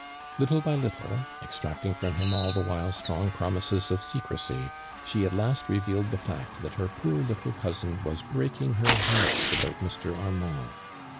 Little by little, exacting fropi him all the while strong promises of aecresy, she at last revealed the fact that her pqpr little cousin was breaking her he«rt abpnt Mr. Armand.